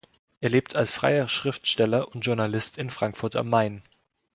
Er lebt als freier Schriftsteller und Journalist in Frankfurt am Main.